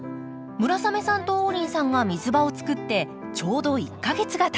村雨さんと王林さんが水場を作ってちょうど１か月がたちました。